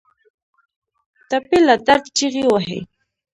ټپي له درد چیغې وهي.